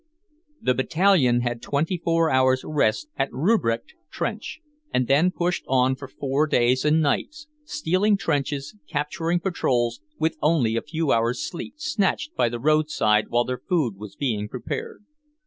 XVI The Battalion had twenty four hours' rest at Rupprecht trench, and then pushed on for four days and nights, stealing trenches, capturing patrols, with only a few hours' sleep, snatched by the roadside while their food was being prepared.